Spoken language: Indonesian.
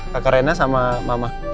kakak rena sama mama